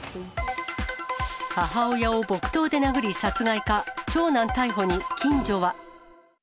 母親を木刀で殴り殺害か、長男逮捕に近所は？